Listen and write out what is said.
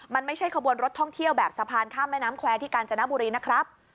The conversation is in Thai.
มันไม่ใช่ขบวนรถท่องเที่ยวแบบสะพานข้ามแม่น้ำแควร์ที่กาญจนบุรีนะครับ